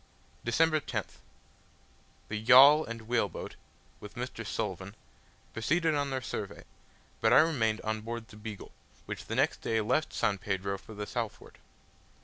December 10th. The yawl and whale boat, with Mr. Sulivan, proceeded on their survey, but I remained on board the Beagle, which the next day left San Pedro for the southward.